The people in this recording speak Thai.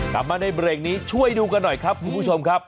กลับมาในเบรกนี้ช่วยดูกันหน่อยครับคุณผู้ชมครับ